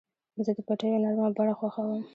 زه د پټیو نرمه بڼه خوښوم.